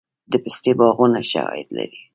د پستې باغونه ښه عاید لري؟